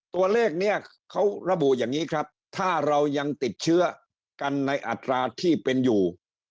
ตัวเลขนี้เขาระบุอย่างนี้ครับถ้าเรายังติดเชื้อกันในอัตราที่เป็นอยู่